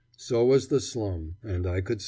So was the slum, and I could sleep.